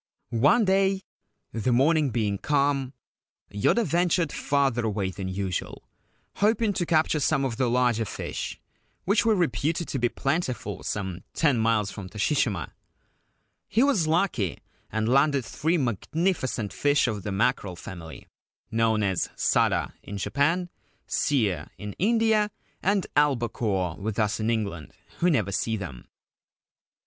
One day, the morning being calm, Yoda ventured farther away than usual, hoping to capture some of the larger fish which were reputed to be plentiful some ten miles from Toshishima. He was lucky, and landed three magnificent fish of the mackerel family, known as ' sara ' Ancient Tales and Folklore of Japan in Japan, 'seer' in India, and ' albacore ' with us in England, who never see them.